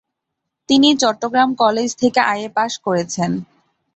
তিনি চট্টগ্রাম কলেজ থেকে IA pass করেছেন।